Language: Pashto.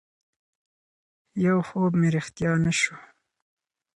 يو خوب مې رښتيا نه شو